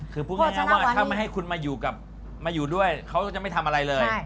คือพูดง่ายว่าถ้าไม่ให้คุณมาอยู่กับมาอยู่ด้วยเขาจะไม่ทำอะไรเลย